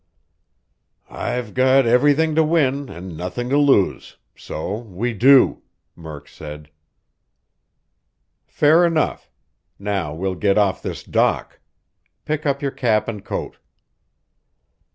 "I've got everything to win and nothin' to lose so we do!" Murk said. "Fair enough. Now we'll get off this dock. Pick up your cap and coat."